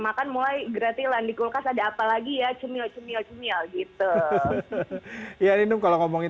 makan mulai gratilan di kulkas ada apa lagi ya cemil cemil cemil gitu ya minum kalau ngomongin